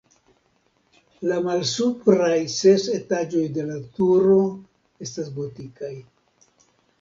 La malsupraj ses etaĝoj de la turo estas gotikaj.